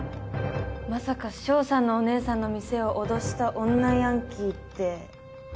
まさか翔さんのお姉さんの店を脅した女ヤンキーって。